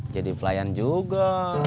jadi pelayan juga